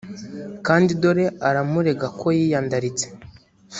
kandi dore aramurega ko yiyandaritse,